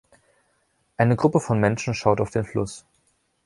Eine Gruppe von Menschen schaut auf den Fluss.